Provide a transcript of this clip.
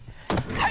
はい！